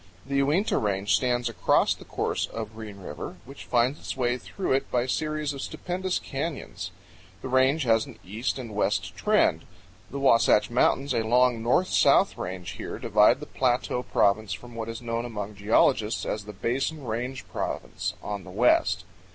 The Uinta Range stands across the course of Green River, which finds its way through it by series of stupendous canyons. The range has an east and west trend. The Wasatch Mountains, a long north and south range, here divide the Plateau Province from what is known among geologists as the Basin Range Province, on the west.